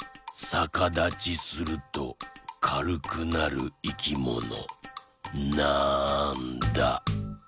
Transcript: さかだちするとかるくなるいきもの？